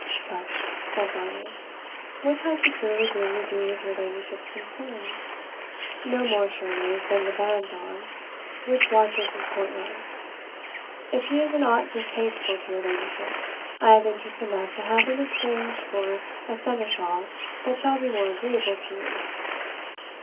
"Tush," said Varney, "what has the surly groom to do with your ladyship's concerns? no more, surely, than the ban dog which watches his courtyard. If he is in aught distasteful to your ladyship, I have interest enough to have him exchanged for a seneschal that shall be more agreeable to you."